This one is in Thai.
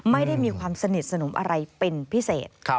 ไม่ได้รู้สนิทสนุมอะไรเป็นพิเศษ